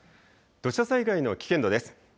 土砂災害の危険度です。